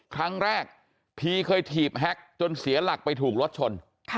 ครั้งแรกพีเคยถีบแฮ็กจนเสียหลักไปถูกรถชน